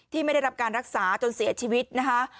ไม่ได้รับการรักษาจนเสียชีวิตนะคะ